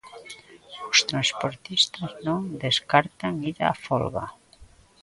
Os transportistas non descartan ir á folga.